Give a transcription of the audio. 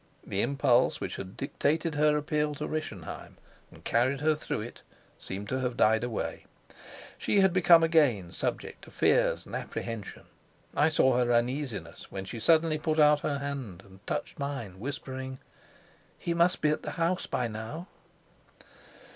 The impulse which had dictated her appeal to Rischenheim and carried her through it seemed to have died away; she had become again subject to fears and apprehension. I saw her uneasiness when she suddenly put out her hand and touched mine, whispering: "He must be at the house by now."